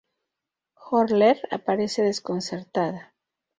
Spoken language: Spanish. Horler aparece desconcertada.